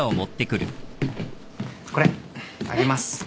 これあげます。